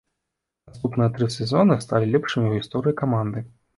Наступныя тры сезоны сталі лепшымі ў гісторыі каманды.